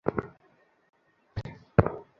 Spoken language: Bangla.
এটা কেপ নয়, আলখাল্লা।